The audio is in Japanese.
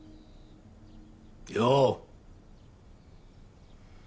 よう。